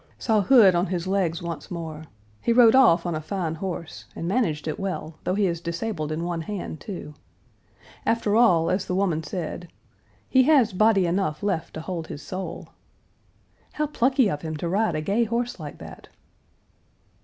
Saw Hood on his legs once more. He rode off on a fine horse, and managed it well, though he is disabled in one hand, too. After all, as the woman said, "He has body enough left to hold his soul." "How plucky of him to ride a gay horse like that."